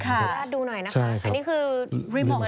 อันนี้คือรีมอุ่นทีวีเลย